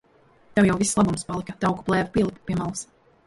Tev jau viss labums palika. Tauku plēve pielipa pie malas.